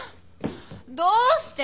どうして。